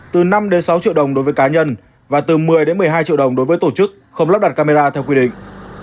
từ năm sáu triệu đồng đối với cá nhân và từ một mươi một mươi hai triệu đồng đối với tổ chức không lắp đặt camera theo quy định